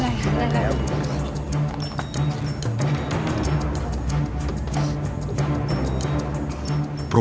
ไม่เป็นอะไร